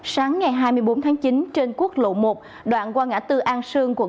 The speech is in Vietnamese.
sáng ngày hai mươi bốn tháng chín trên quốc lộ một đoạn qua ngã tư an sơn của quốc tế